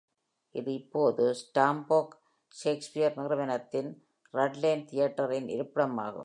இது இப்போது Stamford Shakespeare நிறுவனத்தின் ரட்லேண்ட் தியேட்டரின் இருப்பிடமாகும்.